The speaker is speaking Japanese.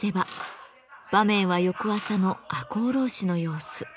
場面は翌朝の赤穂浪士の様子。